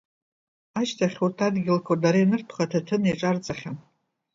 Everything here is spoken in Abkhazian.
Ашьҭахь, урҭ адгьылқәа дара ианыртәха, аҭаҭын иаҿарҵахьан.